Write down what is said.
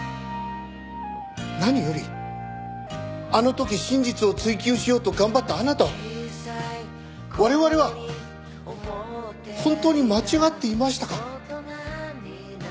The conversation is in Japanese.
何よりあの時真実を追求しようと頑張ったあなたは我々は本当に間違っていましたか？